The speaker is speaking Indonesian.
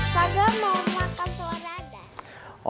saga mau makan telur dadar